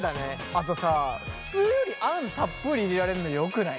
あとさ普通よりあんたっぷり入れられるのよくない？